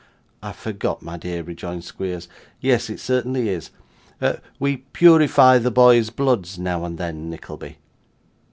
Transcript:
'I forgot, my dear,' rejoined Squeers; 'yes, it certainly is. We purify the boys' bloods now and then, Nickleby.